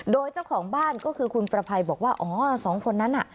โดยเจ้าของบ้านก็คือคุณประภัยบอกว่าอ๋อสองคนนั้นน่ะ